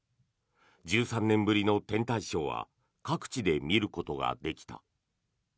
１３年ぶりの天体ショーは各地で見ることができた。